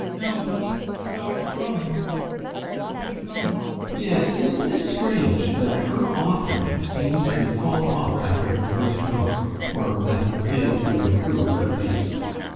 ADOLPH. No, she stopped growing and I pushed on. GUSTAV. Yes, isn't it strange that her "authoring" seemed to fall off after her first book or that it failed to improve, at least?